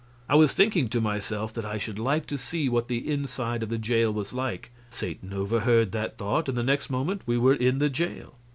I was thinking to myself that I should like to see what the inside of the jail was like; Satan overheard the thought, and the next moment we were in the jail.